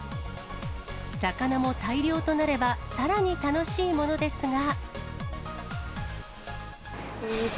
魚も大量となれば、さらに楽しいものですが。